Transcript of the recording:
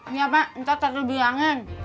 iya emak entar tadi bilangin